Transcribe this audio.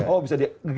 oh bisa di geng